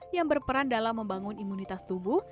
yang berperan dalam membangun imunitas tubuh